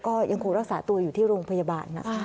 ก็ยังคงรักษาตัวอยู่ที่โรงพยาบาลนะคะ